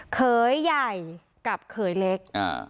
เขยใหญ่กับเขยเล็ก